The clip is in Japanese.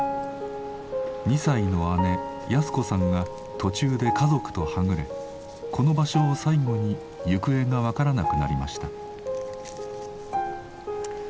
２歳の姉安子さんが途中で家族とはぐれこの場所を最後に行方がわからなくなりました。